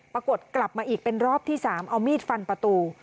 ปรากฏกลับมาอีกเป็นรอบที่๓เอามีดฟันประตู